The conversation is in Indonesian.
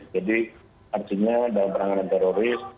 jadi artinya dalam penanganan teroris